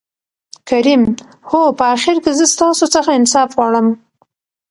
کريم : هو په آخر کې زه ستاسو څخه انصاف غواړم.